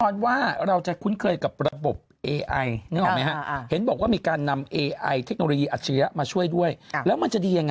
แต่เราไม่ได้ตาม